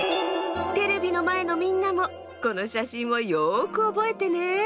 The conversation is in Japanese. テレビのまえのみんなもこのしゃしんをよくおぼえてね。